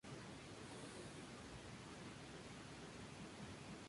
El nombre en español proviene de Bernardino Rivadavia, político argentino.